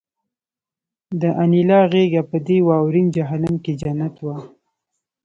د انیلا غېږه په دې واورین جهنم کې جنت وه